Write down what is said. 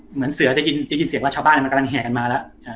เหมือนเสือได้ยินเสียงว่าชาวบ้านมันกำลังแห่กันมาแล้ว